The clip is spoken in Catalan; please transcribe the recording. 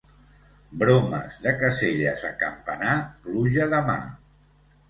Bromes de Caselles a Campanar, pluja demà.